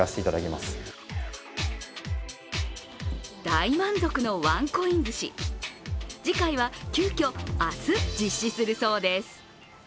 大満足のワンコインずし次回は急きょ明日実施するそうです。